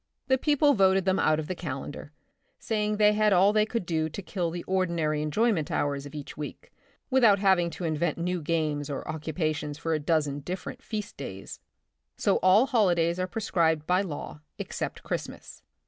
The people voted them out of the calendar, saying they had all they could do to kill the ordinary enjoyment hours of each week without having to invent new games or occupations for a dozen different feast days. So all holidays are prescribed by law except Christmas.